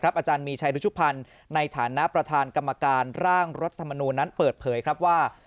อาจารย์มีชัยรุชุพันธ์ในฐานะประธานกรรมการร่างรัฐธรรมนูลนั้นเปิดเผยครับว่า